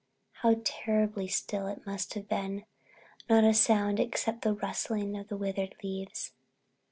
How terribly still it must have been, not a sound except the rustling of the withered leaves.